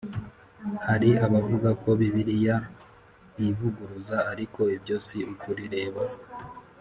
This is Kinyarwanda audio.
hari abavuga ko bibiliya yivuguruza ariko ibyo si ukuri reba